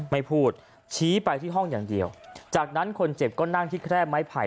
ไม่พูดชี้ไปที่ห้องอย่างเดียวจากนั้นคนเจ็บก็นั่งที่แคร่ไม้ไผ่